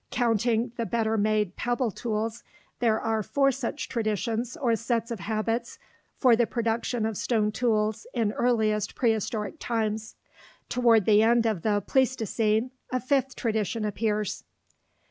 Counting the better made pebble tools, there are four such traditions or sets of habits for the production of stone tools in earliest prehistoric times. Toward the end of the Pleistocene, a fifth tradition appears.